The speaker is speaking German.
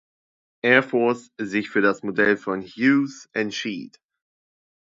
Air Force sich für das Modell von Hughes entschied.